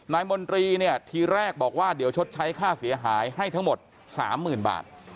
มนตรีเนี่ยทีแรกบอกว่าเดี๋ยวชดใช้ค่าเสียหายให้ทั้งหมด๓๐๐๐บาท